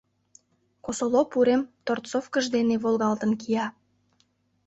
Косолоп урем торцовкыж дене волгалтын кия.